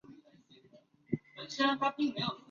知名人物夏川里美出身于此岛。